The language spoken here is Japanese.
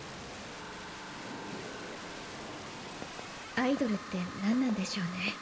アイドルって何なんでしょうね。